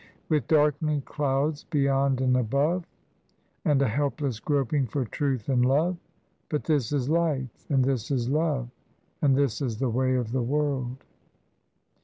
With dark'ning clouds beyond and above, And a helpless groping for truth and love, But this is life and this is love, And this is the way of the world."